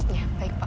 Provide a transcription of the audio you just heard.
ya baik pak